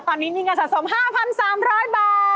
ตอนนี้มีเงินสะสม๕๓๐๐บาท